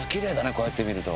こうやって見ると。